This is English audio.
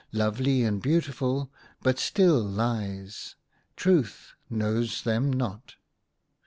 Lovely and beautiful, but still lies ; Truth knows them not."